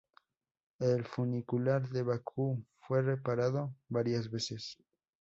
El funicular de Bakú fue reparado varias veces.